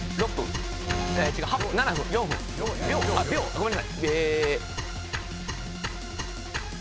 ごめんなさい。